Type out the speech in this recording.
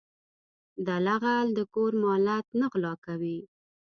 دله غل د کور مالت نه غلا کوي .